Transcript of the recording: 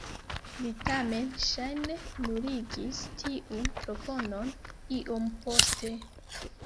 Li tamen ŝajne nuligis tiun proponon iom poste.